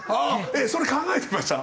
えっそれ考えてました？